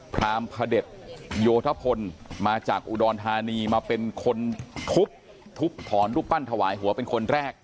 พรามพระเด็จโยธพลมาจากอุดรธานีมาเป็นคนทุบทุบถอนรูปปั้นถวายหัวเป็นคนแรก